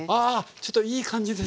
ちょっといい感じですね。